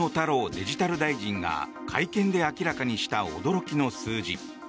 デジタル大臣が会見で明らかにした驚きの数字。